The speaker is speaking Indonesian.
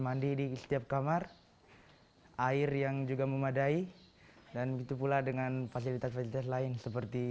mandi di setiap kamar air yang juga memadai dan itu pula dengan fasilitas fasilitas lain seperti